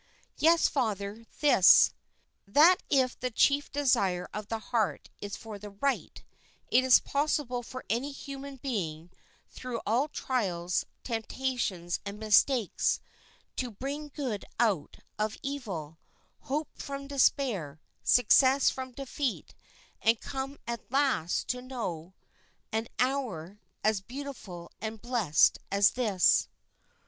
"Yes, father, this. That if the chief desire of the heart is for the right, it is possible for any human being, through all trials, temptations, and mistakes, to bring good out of evil, hope from despair, success from defeat, and come at last to know an hour as beautiful and blest as this."